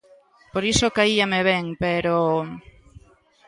Por iso caíame ben, pero...